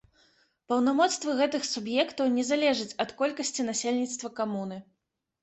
Паўнамоцтвы гэтых суб'ектаў не залежаць ад колькасці насельніцтва камуны.